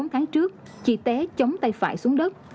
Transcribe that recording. tám tháng trước chị té chống tay phải xuống đất